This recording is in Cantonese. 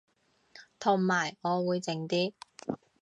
同埋我會靜啲